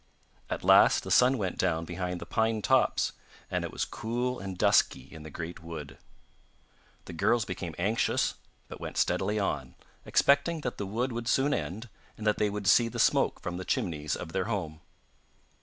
At last the sun went down behind the pine tops, and it was cool and dusky in the great wood. The girls became anxious but went steadily on, expecting that the wood would soon end, and that they would see the smoke from the chimneys of their home.